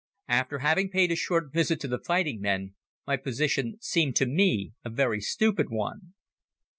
After having paid a short visit to the fighting men, my position seemed to me a very stupid one.